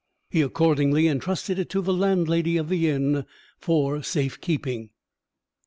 He accordingly entrusted it to the landlady of the inn for safe keeping.